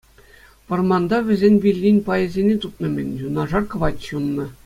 Вӑрманта вӗсен виллин пайӗсене тупнӑ-мӗн, юнашар кӑвайт ҫуннӑ.